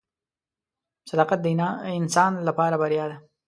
• صداقت د انسان لپاره بریا ده.